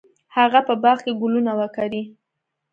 هغه په باغ کې ګلونه وکري.